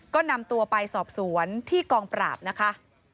ก็นำตัวไปสอบสวนที่กองปราบนะคะ